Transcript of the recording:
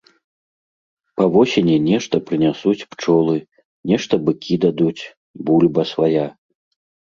Па восені нешта прынясуць пчолы, нешта быкі дадуць, бульба свая.